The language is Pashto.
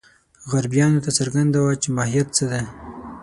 غربیانو ته څرګنده وه چې ماهیت څه دی.